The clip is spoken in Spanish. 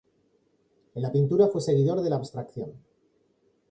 En la pintura fue seguidor de la abstracción.